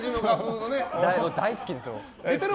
大好きです。